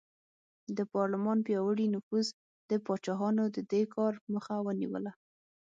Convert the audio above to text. د پارلمان پیاوړي نفوذ د پاچاهانو د دې کار مخه ونیوله.